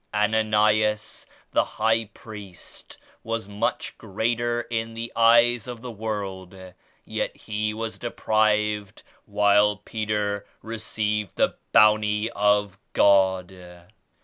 Ana nias the High Priest was much greater in the eyes of the world yet he was deprived while Peter received the Bounty of God."